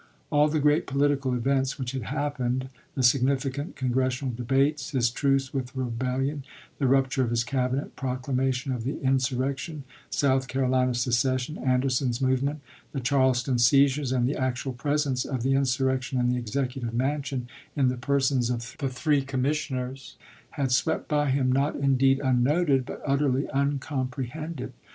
All the great political events which had happened — the significant Con gressional debates, his truce with rebellion, the rupture of his Cabinet, proclamation of the insur rection, South Carolina secession, Anderson's move ment, the Charleston seizures, and the actual presence of the insurrection in the Executive Man sion in the persons of the three commissioners — had swept by him, not indeed unnoted, but utterly uncomprehended.